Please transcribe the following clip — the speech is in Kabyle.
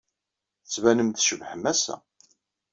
Tettbanem-d tcebḥem ass-a.